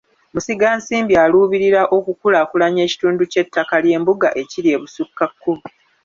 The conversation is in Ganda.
Musigansimbi aluubirira okukulaakulanya ekitundu ky’ettaka ly’embuga ekiri ebusukka kkubo.